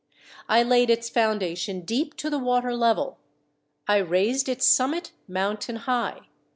I laid its foundation deep to the water level; I raised its summit mountain high.